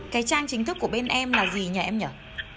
cái trang chính thức của bên em là gì nhỉ em nhỉ